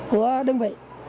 của đơn vị